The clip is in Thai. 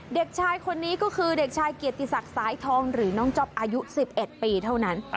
เด็กชายคนนี้ก็คือเด็กชายเกียรติศักดิ์สายทองหรือน้องจ๊อปอายุ๑๑ปีเท่านั้น